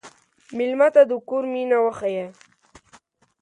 مېلمه ته د کور مینه وښیه.